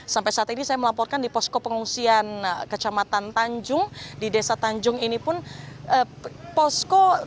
sampai saat ini saya melaporkan di posko pengungsian kecamatan tanjung di desa tanjung ini pun ada tanda yang di distribusikan dari arah mataram menuju ke kabupaten lombok utara